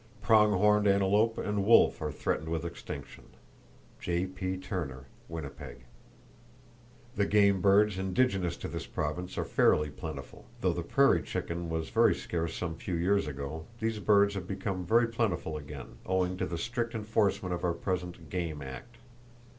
Prong horned antelope and wolf are threatened with extinction.—(J.P. Turner, Winnipeg.) The game birds indigenous to this Province are fairly plentiful. Though the prairie chicken was very scarce some few years ago, these birds have become very plentiful again, owing to the strict enforcement of our present "Game Act."